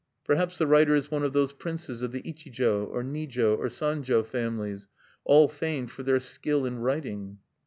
"Perhaps the writer is one of those princes of the Ichijo, or Nijo, or Sanjo families, all famed for their skill in writing.